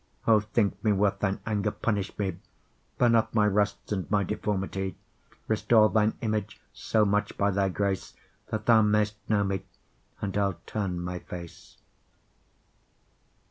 O thinke mee worth thine anger, punish mee. Burne off my rusts, and my deformity, Restore thine Image, so much, by thy grace, That thou may'st know mee, and I'll turne my face.